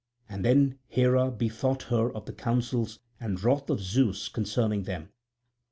And then Hera bethought her of the counsels and wrath of Zeus concerning them.